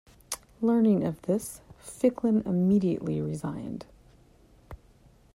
Learning of this, Ficklin immediately resigned.